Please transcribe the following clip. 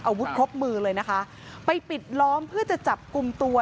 อาวุธครบมือเลยนะคะไปปิดล้อมเพื่อจะจับกลุ่มตัว